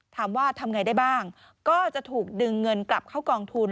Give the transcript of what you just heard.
ทำไงได้บ้างก็จะถูกดึงเงินกลับเข้ากองทุน